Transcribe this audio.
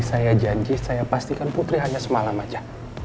saya janji saya pastikan putri hanya semalam saja